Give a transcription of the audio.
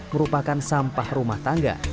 merupakan sampah rumah tangga